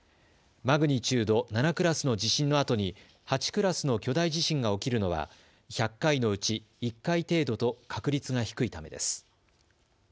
マグニチュード７クラスの地震のあとに８クラスの巨大地震が起きるのは１００回のうち１回程度と確率が低いためです。